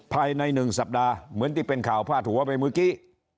ภายใน๑สัปดาห์เหมือนที่เป็นข่าวพาดหัวไปเมื่อกี้